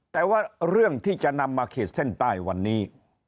แต่ว่าเรื่องที่จะนำมาขีดเส้นใต้วันนี้